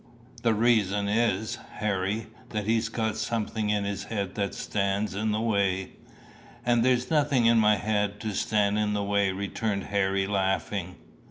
"The reason is, Harry, that he's got something in his head that stands in the way." "And there's nothing in my head to stand in the way!" returned Harry, laughing.